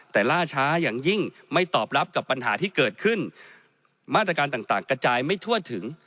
แต่ล่าช้าอย่างยิ่งไม่ตอบรับกับปัญหาที่เกิดขึ้นมาตรการต่างกระจายไม่ทั่วถึง